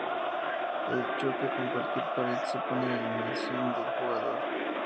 El choque con cualquier pared supone la eliminación del jugador.